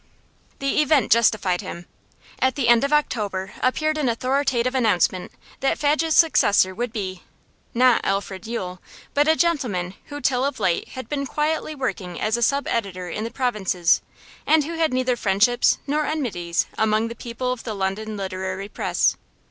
The event justified him. At the end of October appeared an authoritative announcement that Fadge's successor would be not Alfred Yule, but a gentleman who till of late had been quietly working as a sub editor in the provinces, and who had neither friendships nor enmities among the people of the London literary press.